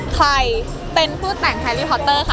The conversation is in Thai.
ใครเป็นผู้แต่งแฮรี่พอตเตอร์ค่ะ